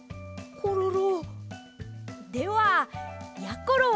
コロロ。